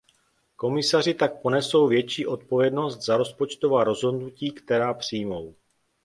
Komisaři tak ponesou větší odpovědnost za rozpočtová rozhodnutí, která přijmou.